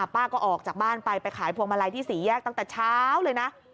ป้าก็ออกจากบ้านไปไปขายพวงมาลัยที่สี่แยกตั้งแต่เช้าเลยนะ